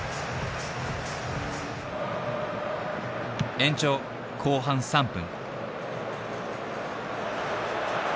延長後半３分。